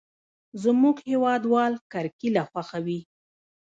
زموږ هېوادوال کرکېله خوښوي.